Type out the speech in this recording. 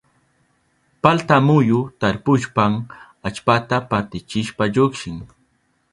Palta muyu tarpushpan allpata partichishpa llukshin.